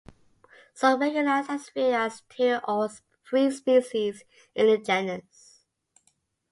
Some recognize as few as two or three species in the genus.